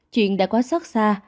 chuyện đã quá xót xa